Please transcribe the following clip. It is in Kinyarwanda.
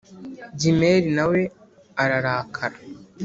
Gimeli nawe ararakara